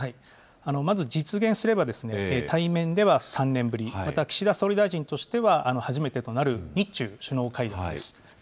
まず、実現すればですね、対面では３年ぶり、また岸田総理大臣としては初めてとなる日中首脳会談です。